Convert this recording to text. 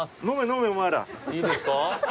いいんですか？